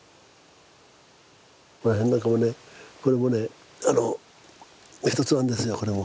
ここら辺なんかもねこれもね一つなんですよこれも。